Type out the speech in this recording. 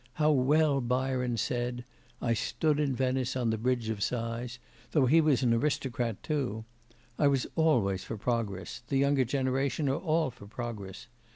How well Byron said: I stood in Venice on the Bridge of Sighs; though he was an aristocrat too. I was always for progress the younger generation are all for progress.